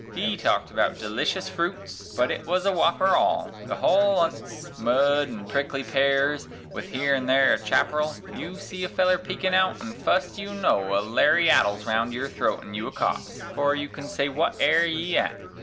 He talked about delishes froots, but then it was a wopper all, The holl on't 's mud an' prickly pears, with here an' there a chapparal; You see a feller peekin' out, an', fust you know, a lariat Is round your throat an' you a copse, 'fore you can say, "Wut air ye at?"